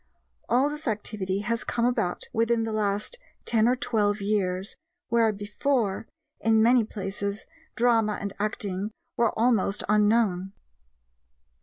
All this activity has come about within the last ten or twelve years, where, before, in many places, drama and acting were almost unknown.